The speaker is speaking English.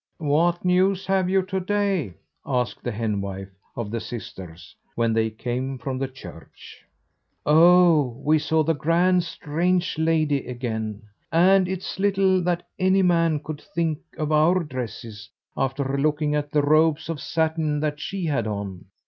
"What news have you to day?" asked the henwife of the sisters when they came from the church. "Oh, we saw the grand strange lady again! And it's little that any man could think of our dresses after looking at the robes of satin that she had on!